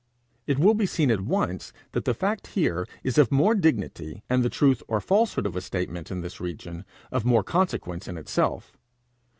It will be seen at once that the fact here is of more dignity, and the truth or falsehood of a statement in this region of more consequence in itself.